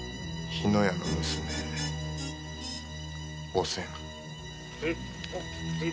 ・日野屋の娘おせん。